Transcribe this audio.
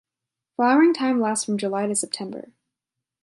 Flowering time lasts from July to September.